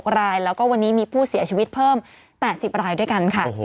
รายแล้วก็วันนี้มีผู้เสียชีวิตเพิ่ม๘๐รายด้วยกันค่ะ